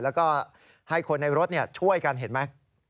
แล้วก็ให้คนในรถช่วยกันเห็นไหม